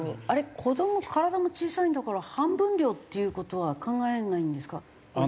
あれ子ども体も小さいんだから半分量っていう事は考えないんですか？